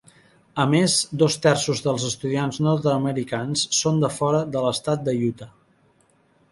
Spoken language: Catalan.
A més, dos terços dels estudiants nord-americans són de fora de l'estat de Utah.